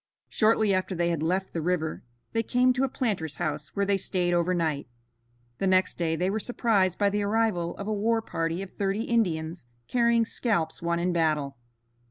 Shortly after they had left the river they came to a planter's house where they stayed over night. The next day they were surprised by the arrival of a war party of thirty Indians carrying scalps won in battle.